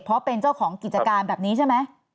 เพราะเป็นเจ้าของกิจการแบบนี้ใช่ไหม